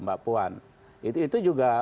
mbak puan itu juga